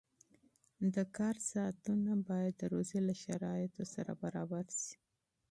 د کار ساعتونه باید د رمضان شرایطو سره برابر شي.